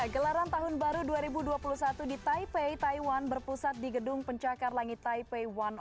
gelaran tahun baru dua ribu dua puluh satu di taipei taiwan berpusat di gedung pencakar langit taipei satu